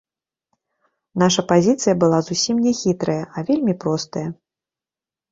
Наша пазіцыя была зусім не хітрая, а вельмі простая.